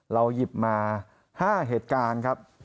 เราหยิบมา๕เหตุการณ์ครับ